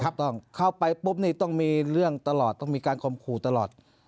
ถูกต้องเข้าไปปุ๊บนี่ต้องมีเรื่องตลอดต้องมีการคมขู่ตลอด